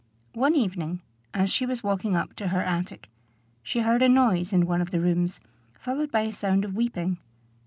One evening, as she was walking up to her attic, she heard a noise in one of the rooms, followed by a sound of weeping.